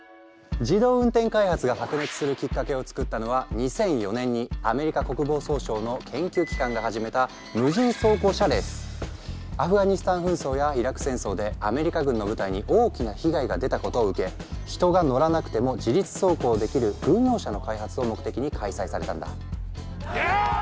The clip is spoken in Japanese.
自動運転開発が白熱するきっかけを作ったのは２００４年にアメリカ国防総省の研究機関が始めたアフガニスタン紛争やイラク戦争でアメリカ軍の部隊に大きな被害が出たことを受け人が乗らなくても自律走行できる軍用車の開発を目的に開催されたんだ。